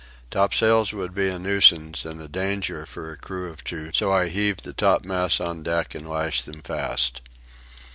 Topsails would be a nuisance and a danger for a crew of two, so I heaved the topmasts on deck and lashed them fast.